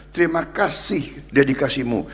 terima kasih dedikasimu